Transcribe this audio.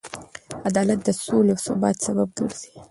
عدالت د سولې او ثبات سبب ګرځي.